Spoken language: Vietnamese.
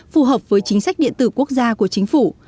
phù hợp với chính sách điện tử quốc gia của chính phủ